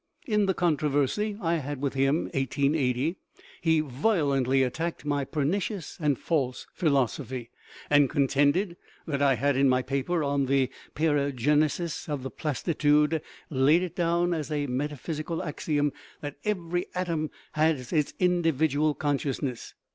In the controversy I had with him (1880) he vio lently attacked my " pernicious and false philosophy," and contended that I had, in my paper on " The Peri genesis of the Plastidule," " laid it down as a meta physical axiom that every atom has its individual con sciousness."